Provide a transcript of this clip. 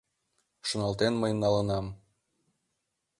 Шоналтен мый налынам.